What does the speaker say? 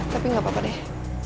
tapi gak apa apa deh